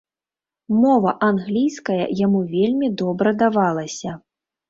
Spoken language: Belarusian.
Мова англійская яму вельмі добра давалася.